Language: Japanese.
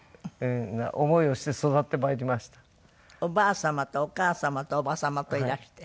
おばあ様とお母様と叔母様といらして。